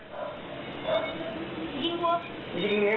โถ่เอ้ย